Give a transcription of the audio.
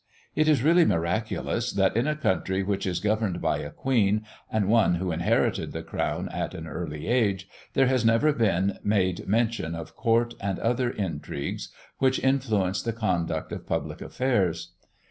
It is really miraculous that, in a country which is governed by a Queen, and one who inherited the crown at an early age, there has never been made mention of court and other intrigues, which influenced the conduct of public affairs.